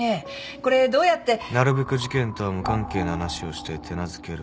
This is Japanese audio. これどうやって」「なるべく事件とは無関係な話をして手なずける。